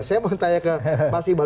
saya mau tanya ke mas iqbal